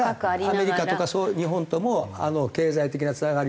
アメリカとか日本とも経済的なつながりを。